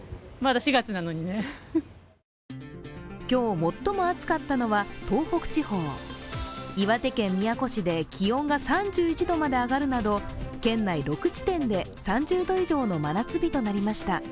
今日、最も暑かったのは東北地方岩手県宮古市で気温が３１度まで上がるなど県内６地点で３０度以上の真夏日となりました。